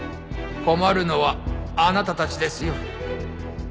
困るのはあなたたちですよ